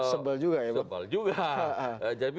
sebel juga ya pak